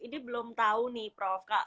ini belum tahu nih prof